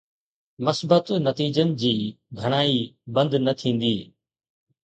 ، مثبت نتيجن جي گهڻائي بند نه ٿيندي.